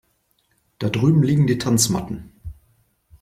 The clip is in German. Da drüben liegen die Tanzmatten.